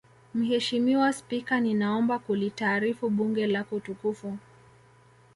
Mheshimiwa Spika ninaomba kulitaarifu Bunge lako tukufu